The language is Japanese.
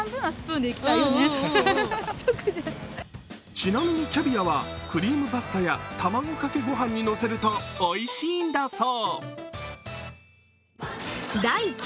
ちなみにキャビアはクリームパスタや卵かけご飯にのせるとおいしいんだそう。